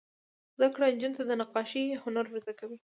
زده کړه نجونو ته د نقاشۍ هنر ور زده کوي.